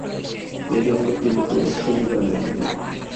এ জন্য তিনি কোনো সুবিধা নেননি।